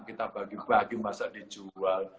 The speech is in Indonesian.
kita bagi bagi masa dijual